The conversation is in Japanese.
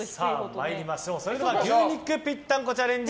それでは牛肉ぴったんこチャレンジ